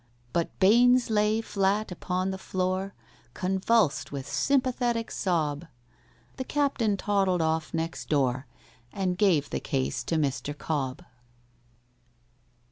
But BAINES lay flat upon the floor, Convulsed with sympathetic sob;— The Captain toddled off next door, And gave the case to MR. COBB.